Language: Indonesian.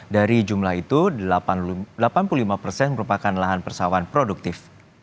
dari jumlah itu delapan puluh lima persen merupakan lahan persawahan produktif